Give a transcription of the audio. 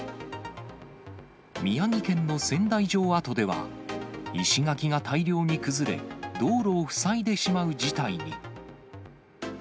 宮城県の仙台城跡では、石垣が大量に崩れ、道路を塞いでしまう事態に。